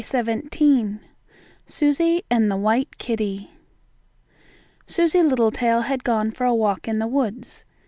XVII SUSIE AND THE WHITE KITTIE Susie Littletail had gone for a walk in the woods.